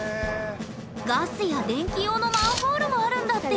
ガスや電気用のマンホールもあるんだって！